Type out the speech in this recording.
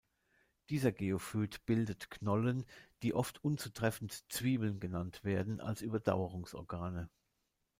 Dieser Geophyt bildet Knollen, die oft unzutreffend „Zwiebeln“ genannt werden, als Überdauerungsorgane.